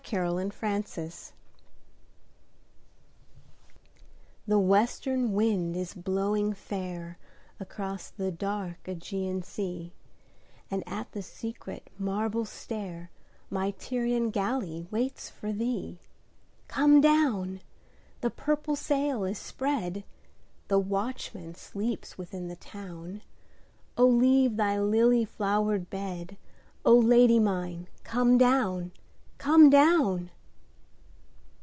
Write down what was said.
Serenade (For Music.)THE WESTERN wind is blowing fairAcross the dark Ægean sea, And at the secret marble stairMy Tyrian galley waits for thee. Come down! the purple sail is spread, The watchman sleeps within the town,O leave thy lily flowered bed,O Lady mine come down, come down!